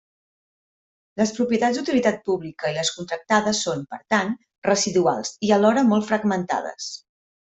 Les propietats d'utilitat pública i les contractades són, per tant, residuals i alhora molt fragmentades.